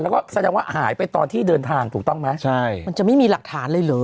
แล้วก็แสดงว่าหายไปตอนที่เดินทางถูกต้องไหมใช่มันจะไม่มีหลักฐานเลยเหรอ